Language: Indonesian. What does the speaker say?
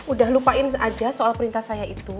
udah lupain aja soal perintah saya itu